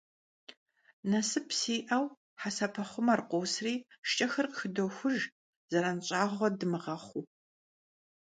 Nasıp si'eu, hesepexhumer khosri, şşç'exer khıxıdoxujj, zeran ş'ağue dımığexhuu.